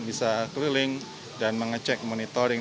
bisa keliling dan mengecek monitoring